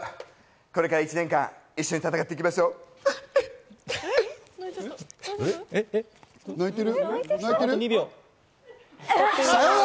これから１年間、一緒に戦っていきましょう！